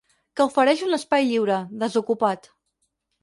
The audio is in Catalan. Que ofereix un espai lliure, desocupat.